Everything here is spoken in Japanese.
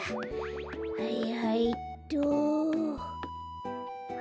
はいはいっと。